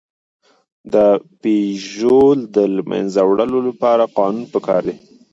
د پيژو د له منځه وړلو لپاره قانون پکار دی.